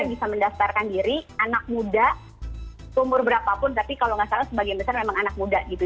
yang bisa mendastarkan diri anak muda umur berapa pun tapi kalau nggak salah sebagian besar memang anak muda gitu